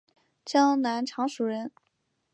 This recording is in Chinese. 江南常熟人。